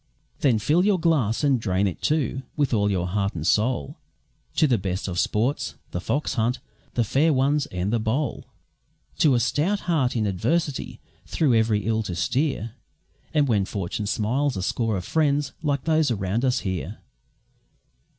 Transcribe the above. Then fill your glass, and drain it, too, with all your heart and soul, To the best of sports The Fox hunt, The Fair Ones, and The Bowl, To a stout heart in adversity through every ill to steer, And when Fortune smiles a score of friends like those around us here.